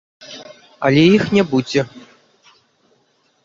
Але іх не будзе.